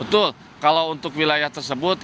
betul kalau untuk wilayah tersebut